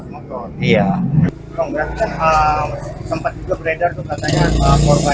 kau berarti kan sempat itu beredar tuh katanya korban ini kesalahan